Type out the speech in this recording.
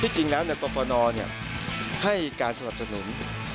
จริงแล้วกรฟนให้การสนับสนุน